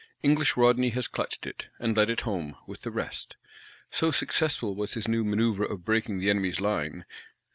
English Rodney has clutched it, and led it home, with the rest; so successful was his new "manœuvre of breaking the enemy's line."